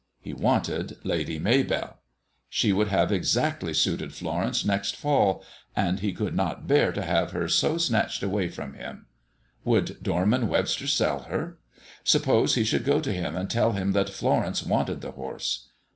He wanted Lady Maybell; she would have exactly suited Florence next fall, and he could not bear to have her so snatched away from him. Would Dorman Webster sell her? Suppose he should go to him and tell him that Florence wanted the horse.